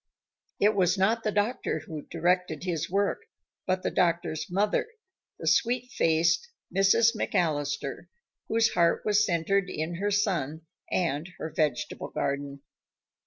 It was not the doctor who directed his work, but the doctor's mother the sweet faced Mrs. McAllister, whose heart was centered in her son and her vegetable garden.